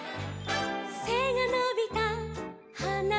「せがのびたはなたち」